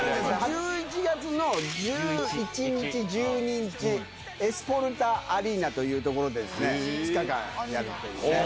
１１月の１１日、１２日、エスフォルタアリーナという所で、２日間やるんですね。